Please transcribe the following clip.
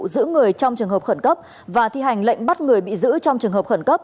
giữ người trong trường hợp khẩn cấp và thi hành lệnh bắt người bị giữ trong trường hợp khẩn cấp